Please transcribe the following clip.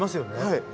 はい。